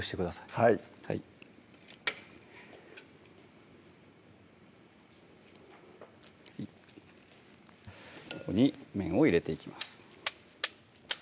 はいはいここに麺を入れていきます